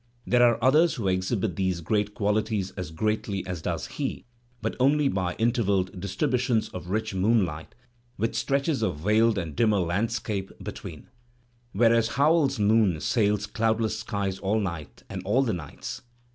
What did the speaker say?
There are others who exhibit these great qualities as greatly as does he, but only by intervalled distributions of rich moonlight, with stretches of veiled SLpd dimmer landscape between; whereas Howells's moon sails cloudless skies all night and all the nights.